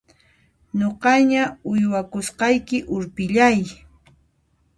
Nuqaña uywakusqayki urpillay!